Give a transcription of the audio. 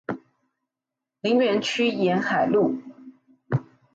林園區沿海路